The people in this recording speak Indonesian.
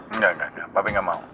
enggak enggak enggak papi gak mau